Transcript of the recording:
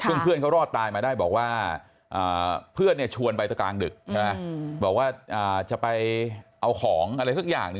ซึ่งเพื่อนเขารอดตายมาได้บอกว่าเพื่อนชวนไปตะกลางดึกใช่ไหมบอกว่าจะไปเอาของอะไรสักอย่างหนึ่ง